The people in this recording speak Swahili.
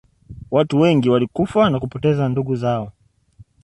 watu wengi walikufa na kupoteza ndugu zao